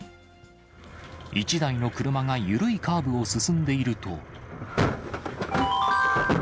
１台の車が緩いカーブを進んでいると。